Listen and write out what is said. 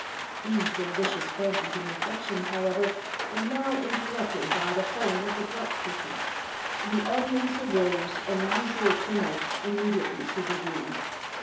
These delicious fancies and reflections, however, were now interrupted by the falling of the drop curtain. The audience arose; and the usual tumult immediately supervened.